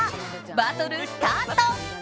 バトルスタート！